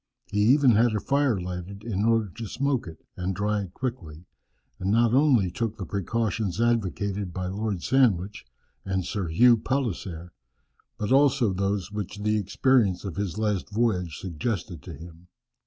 He even had a fire lighted in order to smoke it, and dry it quickly, and not only took the precautions advocated by Lord Sandwich, and Sir Hugh Palliser, but also those which the experience of his last voyage suggested to him.